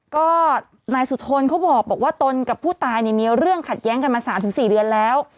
ก็นายสุธนเขาบอกว่าตนกับผู้ตายเนี่ยมีเรื่องขัดแย้งกันมา๓๔เดือนแล้ว